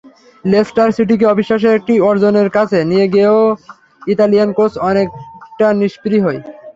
Leicester সিটিকে অবিশ্বাস্য একটি অর্জনের কাছে নিয়ে গিয়েও ইতালিয়ান কোচ অনেকটা নিস্পৃহই।